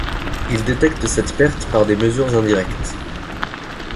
Il détecte cette perte par des mesures indirectes.